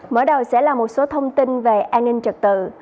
mở đầu sẽ là một số thông tin về an ninh trật tự